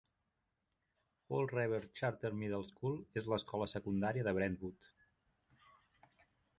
Paul Revere Charter Middle School és l'escola secundària de Brentwood.